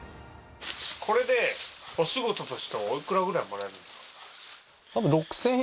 これでお仕事としておいくらぐらいもらえるんですか？